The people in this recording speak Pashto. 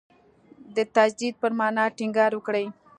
د تجدید پر معنا ټینګار وکړي.